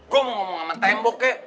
gue mau ngomong sama tembok kek